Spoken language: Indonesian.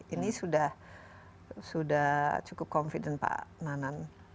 ini sudah cukup confident pak nanan